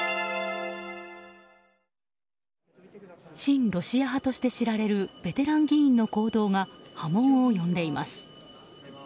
親ロシア派として知られるベテラン議員の行動が波紋を呼んでいます。